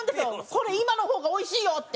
「これ今の方がおいしいよ」って。